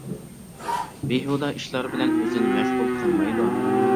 بىھۇدە ئىشلار بىلەن ئۆزىنى مەشغۇل قىلمايدۇ.